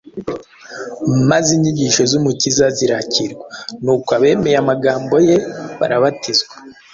maze inyigisho z’Umukiza zirakirwa. “ Nuko abemeye amagambo ye barabatizwa